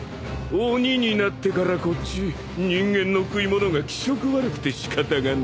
鬼になってからこっち人間の食い物が気色悪くてしかたがねえや。